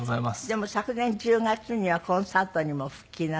でも昨年１０月にはコンサートにも復帰なさいまして。